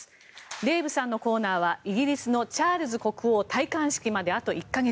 デーブさんのコーナーはイギリスのチャールズ国王戴冠式まであと１か月。